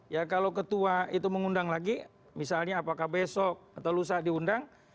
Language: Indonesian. ya kalau ketua itu mengundang lagi misalnya apakah besok atau lusa diundang